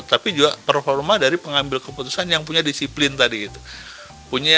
tapi juga performa dari pengambil keputusan yang punya disiplin tadi itu